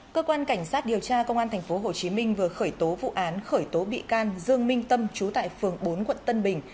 cơ quan cảnh sát điều tra công an tp hcm vừa khởi tố vụ án khởi tố bị can dương minh tâm trú tại phường bốn quận tân bình